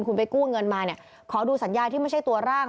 คุณไปกู้เงินมาเนี่ยขอดูสัญญาที่ไม่ใช่ตัวร่าง